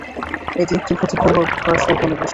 এটি একটি ভূতপূর্ব ফরাসি উপনিবেশ।